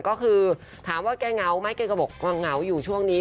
ก็คือถามว่าแกเหงาไหมแกก็บอกว่าเหงาอยู่ช่วงนี้